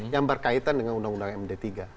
yang berkaitan dengan undang undang md tiga